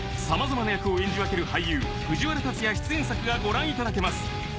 さまざまな役を演じ分ける俳優藤原竜也出演作がご覧いただけます